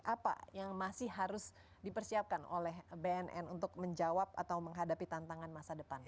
apa yang masih harus dipersiapkan oleh bnn untuk menjawab atau menghadapi tantangan masa depan